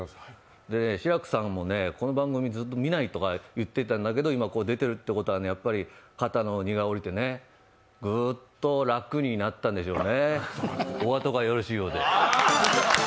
志らくさんもね、この番組、ずっと見ないとか言ってたんだけど、今、こう出てるってことはやっぱり肩の荷がおりてグッとラクになったんでしょうね。